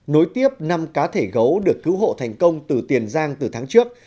nối tiếp năm cá thể gấu được cứu hộ thành công từ tiền giang từ tháng trước